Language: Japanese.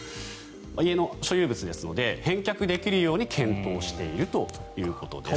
家の所有物ですので返却できるように検討しているということです。